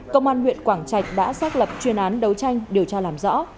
công an huyện quảng trạch đã xác lập chuyên án đấu tranh điều tra làm rõ